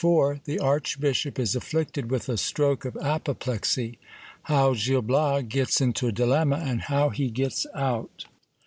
— The Archbishop is afflicted with a stroke of apoplexy. How Gil Bias gets into a dilemma, and hoio he gets out.